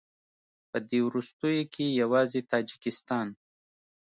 په دې وروستیو کې یوازې تاجکستان